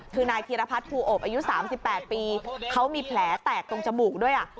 คือนายธีรพัฒน์ภูโอบอายุสามสิบแปดปีเขามีแผลแตกตรงจมูกด้วยอ่ะ